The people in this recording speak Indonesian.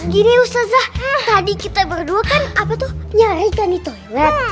gini ustazah tadi kita berdua kan apa tuh nyarikan di toilet